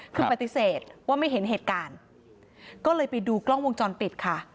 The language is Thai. คือปฏิเสธว่าไม่เห็นเหตุการณ์ก็เลยไปดูกล้องวงจรปิดค่ะ